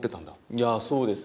いやそうです。